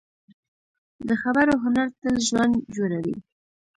د خبرو هنر تل ژوند جوړوي